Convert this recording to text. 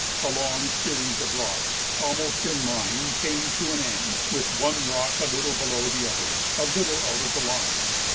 A long series of rocks almost in line came to an end, with one rock a little below the others, a little out of the line.